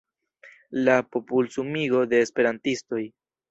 La popolsumigo de esperantistoj.